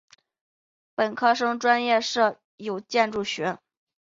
本科生专业设有建筑学。